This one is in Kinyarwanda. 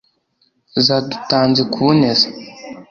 zadutanze kuboneza